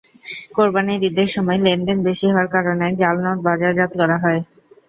কোরবানির ঈদের সময় লেনদেন বেশি হওয়ার কারণে জাল নোট বাজারজাত করা হয়।